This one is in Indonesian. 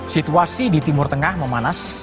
situasi di timur tengah memanas